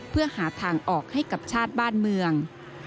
เพื่อหาทางออกให้กับชาติบ้านเมือง